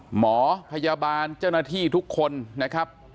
หมอพยาบาลเจ้าหน้าที่ทุกคนนะครับ